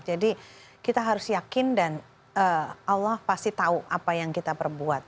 jadi kita harus yakin dan allah pasti tahu apa yang kita perbuat